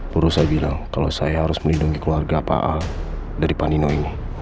purwosa bilang kalau saya harus melindungi keluarga pak al dari pandino ini